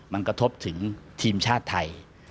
มันกระทบถึงทีมชาติไทย